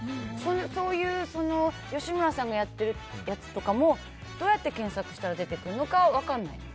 そういう吉村さんがやってるやつとかもどうやって検索したら出てくるのか分からない。